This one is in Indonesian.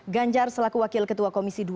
ganjar selaku wakil ketua komisi dua